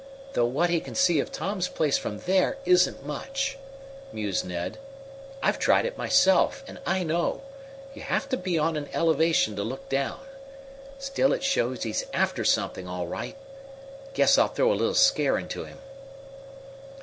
"Though what he can see of Tom's place from there isn't much," mused Ned. "I've tried it myself, and I know; you have to be on an elevation to look down. Still it shows he's after something, all right. Guess I'll throw a little scare into him."